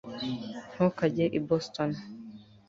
ntukajye i boston